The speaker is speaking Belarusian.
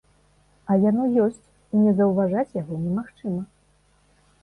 А яно ёсць, і не заўважаць яго немагчыма.